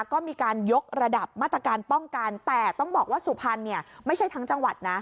ก็มีการยกระดับมาตรการป้องกันแต่ต้องบอกว่าสุพรรณเนี่ยไม่ใช่ทั้งจังหวัดนะ